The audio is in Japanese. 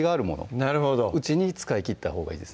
なるほどうちに使い切ったほうがいいです